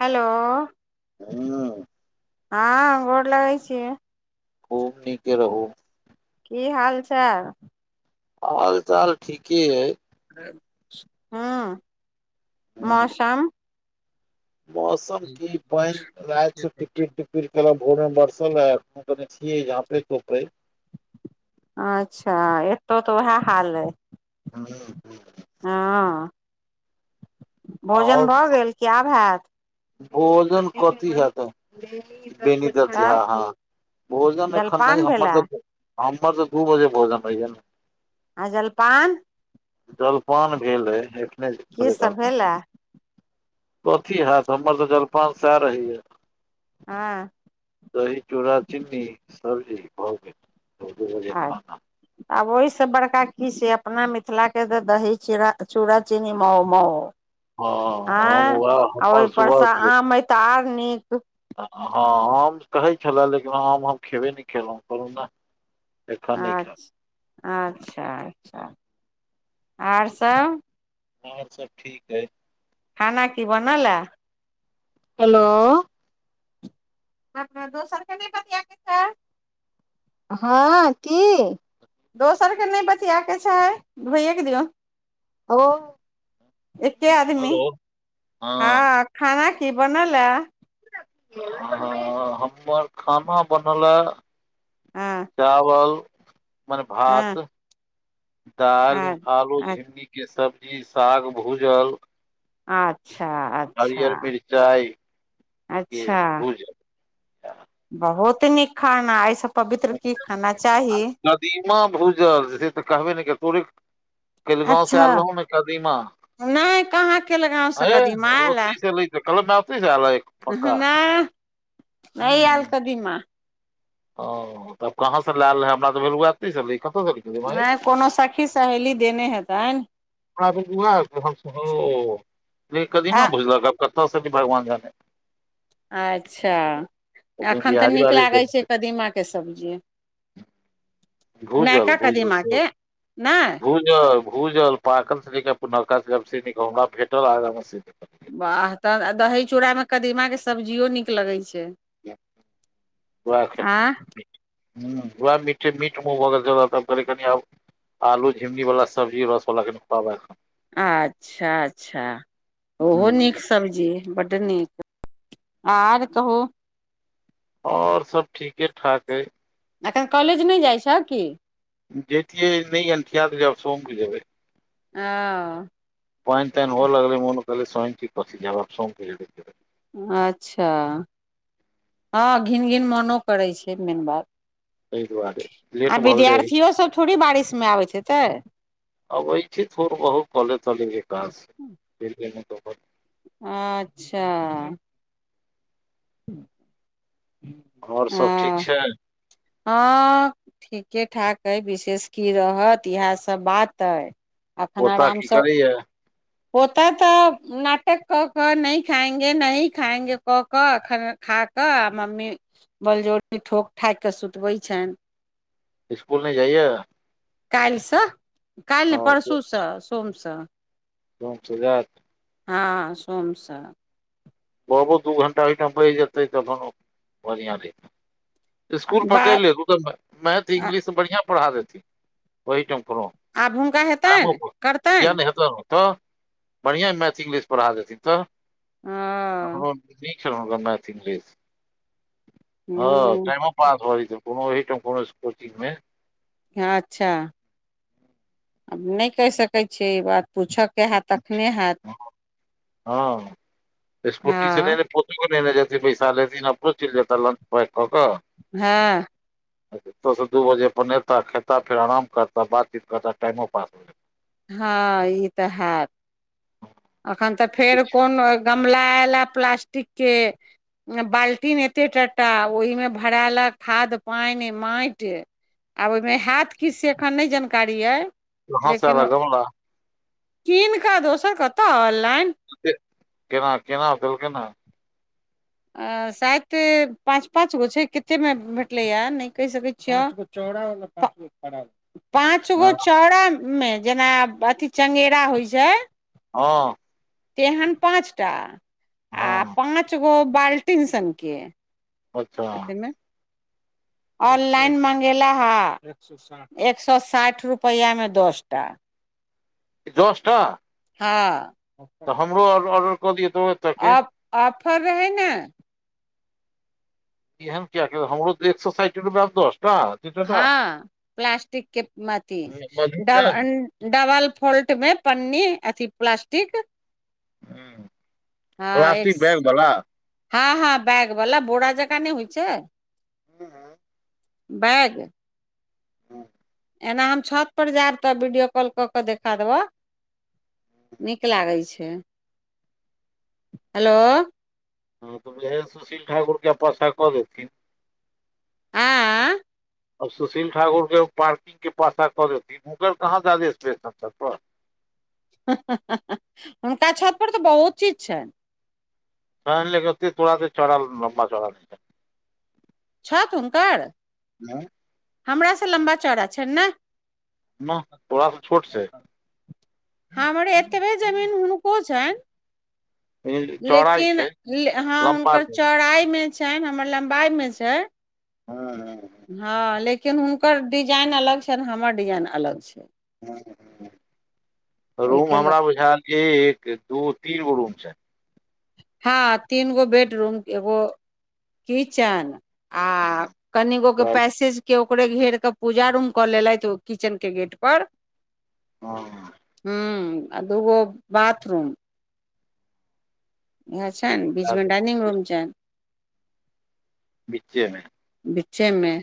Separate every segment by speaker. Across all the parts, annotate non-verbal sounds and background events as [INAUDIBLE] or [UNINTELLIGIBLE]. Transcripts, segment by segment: Speaker 1: Hello
Speaker 2: हं
Speaker 1: हँ गोर लगैत छी
Speaker 2: खूब नीके रहू
Speaker 1: की हाल चाल
Speaker 2: हाल चाल ठीके यय
Speaker 1: हं मौसम
Speaker 2: मौसम ठीक मैं रैत स टिपिर टिपिर [UNINTELLIGIBLE] भोर बर्सल रहा [UNINTELLIGIBLE]
Speaker 1: अच्छा एतौ तऽ उएह हाल हइ
Speaker 2: हँ
Speaker 1: हँ भोजन
Speaker 2: आओर
Speaker 1: भऽ गेल कि आब हैत
Speaker 2: भोजन कथी हेत बेनी दर्ज
Speaker 1: तऽ
Speaker 2: हँ हँ भोजन अखन
Speaker 1: जलपान
Speaker 2: नहि हमर
Speaker 1: भेलए
Speaker 2: सबके हमर तऽ दू बजे भोजन होई या
Speaker 1: आ जलपान
Speaker 2: जलपान भेल आय एखने
Speaker 1: की
Speaker 2: थोड़े काल
Speaker 1: सब
Speaker 2: पहिले
Speaker 1: भेलए
Speaker 2: कथी हैत हमर तऽ जलपान सएह रहीय
Speaker 1: हँ
Speaker 2: दही चूड़ा चिन्नी सब्जी भऽ गेल [UNINTELLIGIBLE] खाना
Speaker 1: आब ओहिसँ बड़का की छै अपना मिथिलाके तऽ दही चू चूड़ा चीनी मउ म
Speaker 2: हँ हम उएह
Speaker 1: आँ
Speaker 2: हमर
Speaker 1: ओहिपरसँ
Speaker 2: सुबहके
Speaker 1: आम हइ तऽ आर नीक।
Speaker 2: हँ, आम कहैत छलए लेकिन आम हम खेबे नहि केलहुँ कहलहुँ ने।
Speaker 1: अच्छा, अच्छा, अच्छा आओर सभ
Speaker 2: आओर सभ ठीक आई।
Speaker 1: खाना की बनल हैं।
Speaker 2: हेलो।
Speaker 1: अपना दोसरके नहि। बतिया के छै
Speaker 2: हँ, कि?
Speaker 1: दोसरके नहि बतआके छै, धोइएके दियौ।
Speaker 2: ओ
Speaker 1: एके आदमी,
Speaker 2: हेलो
Speaker 1: हँ। खाना की बनल या
Speaker 2: ह हमर खाना बनल।
Speaker 1: हँ
Speaker 2: चावल मने
Speaker 1: हँ
Speaker 2: भात। दालि
Speaker 1: आ
Speaker 2: आलू झिगीके सब्जी साग भूजल
Speaker 1: अच्छा, अच्छा,
Speaker 2: हरियर मिरचाई के
Speaker 1: अच्छा।
Speaker 2: भूजल
Speaker 1: बहुत नीक खाना एहिसँ पवित्र की खाना चाही।
Speaker 2: नदीमा भूजल से तऽ कहबे ने कऽ तोरे केललगावसे
Speaker 1: अच्छा
Speaker 2: आल रह हूँ मे कदीमा।
Speaker 1: नहि कहाँ के लगाव से
Speaker 2: अै
Speaker 1: कदीमा आयल ए
Speaker 2: लै छै, कलमे आती एक पक्का हूं
Speaker 1: नै अल
Speaker 2: हूं
Speaker 1: कदीमा।
Speaker 2: ओ तब कहाँसे लायल रहे हमरा तऽ भेलुी कत सी
Speaker 1: नहि कोनो सखी सहेली देने हेतन।
Speaker 2: आ
Speaker 1: आ
Speaker 2: कदीमा भुझलब कतनासँ भी भगवान जाने।
Speaker 1: अच्छा,
Speaker 2: ओकरे
Speaker 1: एखन तऽ
Speaker 2: बिहारी
Speaker 1: नीक
Speaker 2: वाले
Speaker 1: लागैत छै,
Speaker 2: देलकै
Speaker 1: कदीमा के सब्जी,
Speaker 2: भूजल
Speaker 1: नका कदीमाके नहि।
Speaker 2: ज भूजल पाकल सेक पुा हमरा भेटल आग।
Speaker 1: वाह तऽ दही चूड़ामे कदीमाके सब्जियो नीक लगैत छै।
Speaker 2: वहे ख
Speaker 1: आँ
Speaker 2: ह वएह मिट मुगर ज करनीब आलू झिमनी बला सब्जी रसवला कनि खुआबैखन।
Speaker 1: अच्छा, अच्छा, ओहो
Speaker 2: हूं
Speaker 1: नीक। सब्जी बड्ड नीक आर कहू।
Speaker 2: और सभ ठीके ठाक हय।
Speaker 1: अखन कॉलेज नहि जाइ छै कि।
Speaker 2: जैतियै नहि अनठिया तब सोमके जेबै।
Speaker 1: ह।
Speaker 2: प्वइन तान हो लगलैन कहले स्वइनी की जाब सौ।
Speaker 1: अच्छा, हँ घिन घिन मोनो करै छै, मेन बात
Speaker 2: एहिहि दुआरे
Speaker 1: आ
Speaker 2: लेट भऽ गेलै।
Speaker 1: विद्यार्थियो सब थोड़ी बारिशमे आबै छै तऽ।
Speaker 2: अबै छै थोड़ बहुत कले तल विकास
Speaker 1: अच्छा। हा।
Speaker 2: आओर सभ ठीक छै?
Speaker 1: हँ, ठीके ठाक आइ विशेष की रहत इएहसभ बात अइ। एखन
Speaker 2: पोता की
Speaker 1: आरामसँ।
Speaker 2: करैया
Speaker 1: पोतऽ नाटक कऽ कऽ नहि खाएंगे न खाएंगे कऽ कऽ एखन खा क मम्मी बलजौली ठोक ठाकके सुतबे छनि।
Speaker 2: स्कूल नहि जाइया?
Speaker 1: काल्हिसँ काल्हि
Speaker 2: हँ
Speaker 1: नहि परसूसँ सोमसँ।
Speaker 2: पाँच हजार
Speaker 1: हँ सोमसँ
Speaker 2: बाबू दू घंटा ओहिठाम बैस जेतै तखन बढ़िआँ रहतै स्कुल पकड़
Speaker 1: बात
Speaker 2: ले तऽ मैथ इंग्लिश बढ़ियां पढ़ा देेथि ओहि ठम परो
Speaker 1: आब हुनका
Speaker 2: [UNINTELLIGIBLE]
Speaker 1: हेतनि
Speaker 2: किया
Speaker 1: करतनि
Speaker 2: नहि हेतोउ तऽ बढ़िआँ मैथ इंग्लिश पढ़ा देथिन तऽ
Speaker 1: हँ
Speaker 2: अखनो ठीक छै हुनकर मैथ इंग्लिश ह टाइमो पास भ जैतय कोनो एहिठम कोनो कोचिंग मे
Speaker 1: हँ अच्छा आब नहि कहि सकै छियै ई बात पूछयके हैत तखने हैत
Speaker 2: हँ स्कूटी से नहि
Speaker 1: हँ
Speaker 2: ने पच नहि जे पैसा लथि न पो चिल जेतता लंच पैकक कऽ
Speaker 1: हँ
Speaker 2: ओतयसँ दू बजेनेताह खेताह फेर आराम करताह बातचीत करताह टाइमो पास हो जेतह
Speaker 1: हँ ई तऽ हैत अखन तऽ फेर
Speaker 2: जेतै
Speaker 1: कोन गमला एयला प्लास्टिक के बाल्टीन एते टटा ओहिमे भरालक खाद पानि माटि आब ओहिमे हैत कि से एखन नहि जानकारी अइ
Speaker 2: हँस वाला
Speaker 1: लेकिन
Speaker 2: गमला
Speaker 1: कीन कऽ दोसर कतय ऑनलाइन
Speaker 2: केना केना देल केना
Speaker 1: अ शायद पाँच पाँच गो छै कतेमे भेटलैए नहि कहि सकैत छिय हम चौड़ा ओय मे पाँच गो खराब छै पाँच गो चौड़ामे जेना अथि चङ्गेरा होइ छै
Speaker 2: हँ
Speaker 1: तेहन पाँचटा आ
Speaker 2: हँ
Speaker 1: पाँच गो बाल्टीन सनके
Speaker 2: अच्छा
Speaker 1: कतेमे ऑनलाइन मंगेला हा एक सए साठि रुपैआमे दस टा
Speaker 2: दस टा
Speaker 1: हँ
Speaker 2: तऽ हमरो ऑर्डर क दिअ तऽ एतऽ के
Speaker 1: ऑफर रहै ने।
Speaker 2: ईहन क हमरो एक सए साठि रूपयामे दस टा दूटा टा
Speaker 1: हँ प्लास्टिक के अथी
Speaker 2: मधुचन
Speaker 1: डबल फोल्ट मे पन्नी अथी प्लास्टिक
Speaker 2: ह
Speaker 1: हँ एक
Speaker 2: प्लास्टिक बैग बला
Speaker 1: हँ हँ बैग वला बोरा जका नहि होइ छै
Speaker 2: हू ह
Speaker 1: बैग
Speaker 2: हूं
Speaker 1: एना हम छत पर जायब तऽ वीडियो कॉल कऽ के देखा देब नीक लागै छै हेलो।
Speaker 2: हँ तऽ उएह सुशील ठाकुर के पाछा कऽ देथिन
Speaker 1: आँ
Speaker 2: आब सुशील ठाकुर के पार्किंग के पासा कऽ देथिन हुनककर कहाँ जादे स्पेश छै छत पर
Speaker 1: ह ह ह ह हुनका छत पर तऽ बहुत चीज छनि
Speaker 2: हां लेकिन ओते तोरा एतै चौरा लंबा चौरा नए
Speaker 1: छत हुनकर।
Speaker 2: हँ।
Speaker 1: हमरा से लम्बा चौड़ा छन ने।
Speaker 2: न तोड़ा छोट छै
Speaker 1: हमरे एतबे जमीन हुनको छनि
Speaker 2: लेकिन चौड़ाइ
Speaker 1: लेकिन
Speaker 2: छै
Speaker 1: हँ
Speaker 2: लम्बा
Speaker 1: हुनकर
Speaker 2: नहि
Speaker 1: चौराई मे छनि हमर लम्बाई मऽ छै
Speaker 2: हँ हँ।
Speaker 1: हँ, लेकिन हुनकर डिजाइन अलग छनि आ हमर डिजाइन अलग छै
Speaker 2: रूम
Speaker 1: ओहिके ल
Speaker 2: हमरा बुझायल एक दू तीन गो रूम छै
Speaker 1: हँ तीन गो बेडरूम एगो किचन आ कनिगोे पैसेज। ओकरे घेर के पूजा रूम कऽ लेलथि ओ किचेन के गेट पर
Speaker 2: ह।
Speaker 1: हू, आ दुगो बातूम। इएह छनि बीच मे डाइनिंग रूम छनि
Speaker 2: बीचेमे।
Speaker 1: बीचेमे।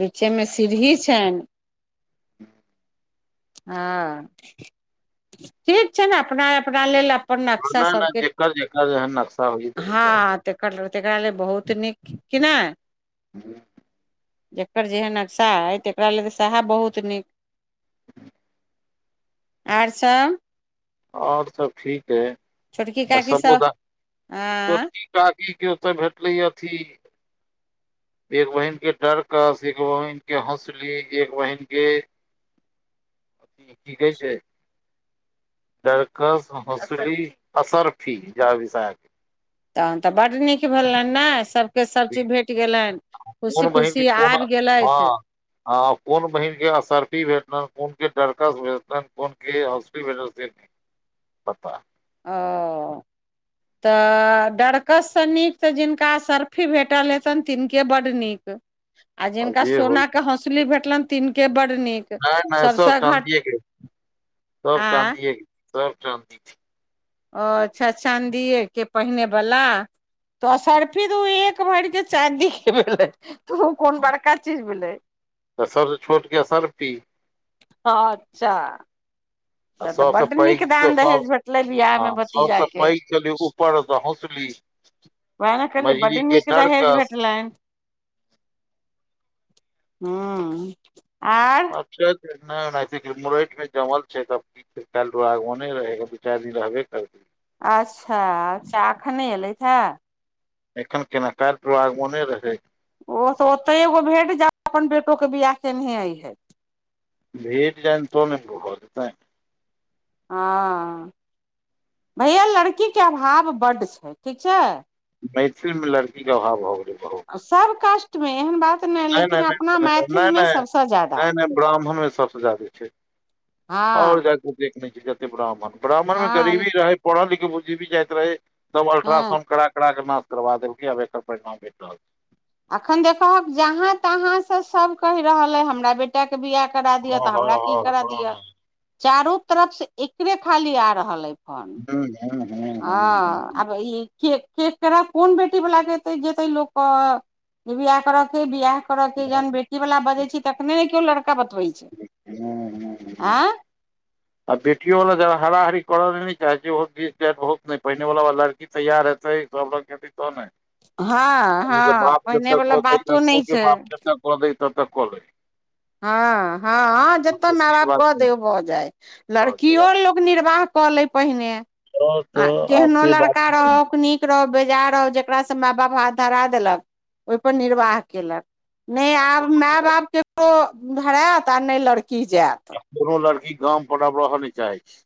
Speaker 1: लीचेमे सीढ़ी छन।
Speaker 2: ह।
Speaker 1: हँ, ठीक छैन, अपना अपना लेल अपन नक्शा
Speaker 2: नहि नहि
Speaker 1: सबके
Speaker 2: जेकर जेकर जेहन नक्शा होइ छै
Speaker 1: हँ त करलहुँ तेकरा लेल बहुत नीक कि नाय
Speaker 2: जी।
Speaker 1: जकर जेहन नक्शा अइ तकरा लेल तऽ सेहा बहुत नीक आओर सभ
Speaker 2: आओर सभ ठीक है
Speaker 1: छोटकी
Speaker 2: अ
Speaker 1: काकी सब
Speaker 2: समुदाय
Speaker 1: आँ
Speaker 2: कागी के ओत भेटलै अथि एक बहिन केँ डरकस एक बहिन केँ हौसली एक बहिन केँ
Speaker 1: [UNINTELLIGIBLE]
Speaker 2: [UNINTELLIGIBLE] छै। दर्कस असरफी जा [UNINTELLIGIBLE]
Speaker 1: तखन तऽ बड्ड नीक भेलन ने सभ। के सभ चीज भेट गेलनि खुशी,
Speaker 2: कोन बहिन के
Speaker 1: खुशी
Speaker 2: कोन
Speaker 1: आबि गेलथ
Speaker 2: हँ हँ, कोन बहिनके असर्फी भेटल कोनके डरकस भेटल कोन केसे। पापा
Speaker 1: ओ तऽ डरकससँ, नीक तऽ जिनका असर्फी भेटल हेथन तिनके बड्ड नीक आ
Speaker 2: आब
Speaker 1: जिनका
Speaker 2: जे होइ
Speaker 1: सोनाके हौसली भेटल तिनके बड नीक।
Speaker 2: नहि, नहि सभ
Speaker 1: सभसँ घट
Speaker 2: चाँदिके सभ
Speaker 1: आ
Speaker 2: चाँदिके सभ चदी।
Speaker 1: ओ अच्छा चाँदिये के पहिनेवला तो सर्फी एक भरके चाँदीक के भेलै तू कोन बड़का चीज भेलै
Speaker 2: तऽ सर छोटके सारफी।
Speaker 1: ह, चार।
Speaker 2: आ
Speaker 1: तऽ
Speaker 2: सभसँ
Speaker 1: बड्ड
Speaker 2: पैघ
Speaker 1: नीक
Speaker 2: सभ
Speaker 1: दान-दहेज भेटलै
Speaker 2: हँ
Speaker 1: विवाहमे
Speaker 2: सभसँ
Speaker 1: भतीजाके।
Speaker 2: पैघ छली ऊपरसँ हौसली
Speaker 1: वए न कहलिए बड
Speaker 2: मझली के
Speaker 1: नीक दहेज भेट
Speaker 2: डरकस
Speaker 1: लनि हँ, आ।
Speaker 2: [UNINTELLIGIBLE] काल दूरागमने रह दू चारि दिन रहबै काल
Speaker 1: अच्छा अच्छा एखने एयलैथ हँ
Speaker 2: एखन केना काल दुरागमने रहै।
Speaker 1: ओ तऽ ओतेहि एगो भेट जा अपन बेटोके बिआह केह अइ हइ
Speaker 2: भे डिजाइन तो नेत [UNINTELLIGIBLE]
Speaker 1: हँ, भैया लड़कीके अभाव बड्ड छै, ठीक छै।
Speaker 2: मैथिल मे लड़की क अभाव भ गेलै बहुत
Speaker 1: सभ कास्टमे एहन बात नहि लेकिन अपना मैथिलमे सभसँ ज्यादा।
Speaker 2: ब्राह्मणमे सभसँ जादे छै, ओर
Speaker 1: हँ
Speaker 2: जाक देखने छै। ब्राह्मण ब्राह्मणमे
Speaker 1: हँ
Speaker 2: गरीबी रहै पढ़ल लिखे बुझी भी जाइत रहै। सब
Speaker 1: हँ
Speaker 2: अल्ट्रासाउंड कड़ा कड़ा के नास करवा देलके आब एकर परिणाम भेट रहल छै
Speaker 1: अखन देखबक जहाँ तहाँसे सभ कहि रहल अइ हमरा बेटी। बेटाके बिआह करा दिअ
Speaker 2: छै
Speaker 1: तऽ हमरा की करा दिअ चारु तरफ एकरे खाली आबि रहल अछि।
Speaker 2: ह, ह।
Speaker 1: हँ अब ई केक केकरा के कोन बेटी वालला के एतै जेते लोकके बिआह करय के बिआह थोडा के जहन बेटी वला बजै छै, तखने ने केओ लड़का बतबै छै,
Speaker 2: हँ हँ
Speaker 1: आय
Speaker 2: आ बेटियो वाला हरारी करऽ ल चाहे छैत पहिने। तैयार रहतै सभ रग खेती कोन है
Speaker 1: हँ हँ
Speaker 2: बाप जब
Speaker 1: पहिने वाला
Speaker 2: तक
Speaker 1: बातो नहि
Speaker 2: दै,
Speaker 1: छै
Speaker 2: बाप जब तक क दै, तब तक क दै
Speaker 1: हँ हँ हँ जतऽ माई
Speaker 2: से
Speaker 1: बाप
Speaker 2: बात
Speaker 1: कऽ
Speaker 2: नहि
Speaker 1: दे ओ भऽ जाय
Speaker 2: भऽ जाय
Speaker 1: लड़कियो लोक निर्वाह कऽ ले पहिने।
Speaker 2: आओर
Speaker 1: आ
Speaker 2: तऽ आब
Speaker 1: केहनो
Speaker 2: से बात
Speaker 1: लड़का
Speaker 2: नहि।
Speaker 1: रहौक नीक। रह बेजा रह जेकासँ माय बाप हाथ धरा देलक ओहिपर निर्वाह केलक। नहि, आब माय-बापक धराइत ककरो पर नहि रहैत आ नहि लड़की जाएत।
Speaker 2: कोनो लड़की गाम पर आब रहय नहि चाहैत छै।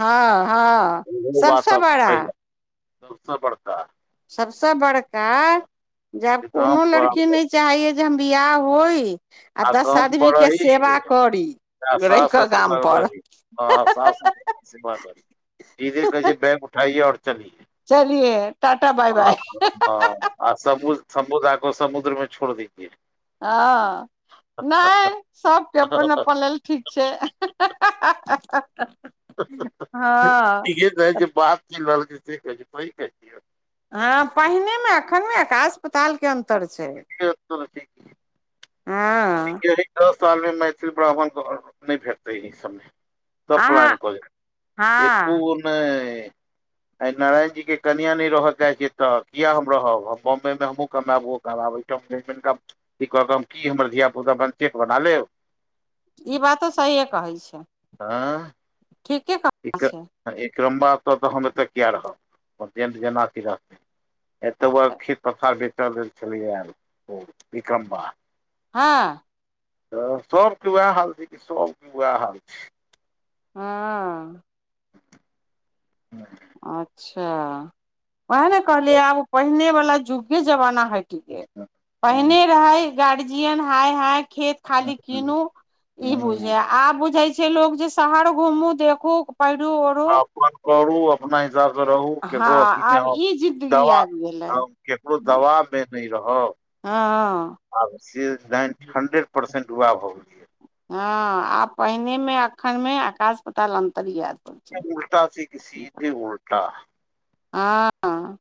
Speaker 1: हँ, हँ सभसँ बड़ा।
Speaker 2: सबसे बड़का
Speaker 1: सभसँ बड़का जब
Speaker 2: जे गाम
Speaker 1: कोनो
Speaker 2: पर
Speaker 1: लड़की
Speaker 2: आ
Speaker 1: नहि छै। चाही जे हम बिवाह होइ आ दस
Speaker 2: गाम
Speaker 1: आदमी
Speaker 2: पर
Speaker 1: के
Speaker 2: रही
Speaker 1: सेवा करी
Speaker 2: आ
Speaker 1: रहि
Speaker 2: सास
Speaker 1: कऽ
Speaker 2: ससुर
Speaker 1: गाम
Speaker 2: लग
Speaker 1: पर
Speaker 2: रहि हँ आ सास ससुर कऽ सेबा करी सीधे कहे छै बैग उठाइए और चलियए
Speaker 1: चलिए टाटा बाय बाय
Speaker 2: आ सभ समुद्रकेँ समुद्रमे छोड़ि दिजिए।
Speaker 1: हँ, नै। सभके अपन अपन लेल ठीक छै। हँ
Speaker 2: इहे त जे बात चल रहलै से कहै छियो कहिय
Speaker 1: हँ पहिनेमे एखन में आकाश पतालके अन्तर छै आं
Speaker 2: यही दस साल मे मैथिल ब्राह्मण के घर नय भेटतेै इ सब मे सब पलैन
Speaker 1: अहाँ
Speaker 2: क देत
Speaker 1: हँ
Speaker 2: एकोगो नय आ नारायण जी के कनिया न रह चाहे त किया हम रहब हम बम्बे मे हमूँ कमाबो ओहो कमाबेत गप दैत हम हमर धिया पुता बपजेठ बना लेब
Speaker 1: ई बातो सहिए कहै छै
Speaker 2: आँ
Speaker 1: ठीके कह
Speaker 2: इरम्बा ए तऽ हम एतऽ किए रहब परजेट जेना र [UNINTELLIGIBLE] एत बा खेत पथार बेचल लेल छलैया ओ विकम्बा
Speaker 1: हँ
Speaker 2: त सबके उएह हाल छै कि सबके उएह हाल छै
Speaker 1: हँ
Speaker 2: ह
Speaker 1: अच्छा उएह ने कहलियै आब पहिनेवला जुगे जमाना हइट गेल
Speaker 2: अन्यथा
Speaker 1: पहिने रहे गार्जियन हाय हाय खेत खाली
Speaker 2: हूँ
Speaker 1: कीन ई
Speaker 2: हूँ हूँ
Speaker 1: बुझे आ बुझइ छैसे लोग जे शहर घुमु देखु पहिरु ओढु
Speaker 2: करू अपना हिसाब रहू
Speaker 1: हँ
Speaker 2: ककरो अथीमे
Speaker 1: आब ई जिंदगी
Speaker 2: दवा
Speaker 1: आबि गेलै
Speaker 2: ककरो दवा मे नय रहब
Speaker 1: हँ
Speaker 2: आब सेज बैंक हंड्रेड परसेंट उाहे भ गेलयै
Speaker 1: हँ आब पहिनेमे एखनमे आकाश पताल अन्तर यत
Speaker 2: उल्टा सीक सिधे उल्टा
Speaker 1: आँ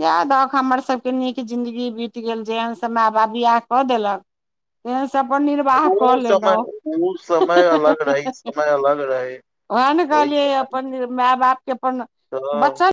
Speaker 1: इएह दहक हमर सभके नीक जिन्दगी बीत गेल जेहन सभ माय बाप बिआह क देलक [INAUDIBLE] तेहन सभ अपन निर्वाह क
Speaker 2: ओ
Speaker 1: लेलहुँ
Speaker 2: समय ओ समय अलग रहै ई समय अलग रहै
Speaker 1: वएह ने
Speaker 2: ओहि
Speaker 1: कहलियै
Speaker 2: समय
Speaker 1: अपन माय बाप के अपन
Speaker 2: तऽ
Speaker 1: बच्चा